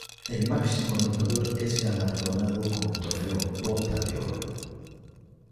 El máximo anotador es galardonado con el trofeo "Bota de Oro".